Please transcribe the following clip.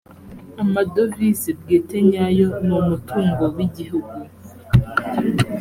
amadovize bwite nyayo ni umutungo wigihugu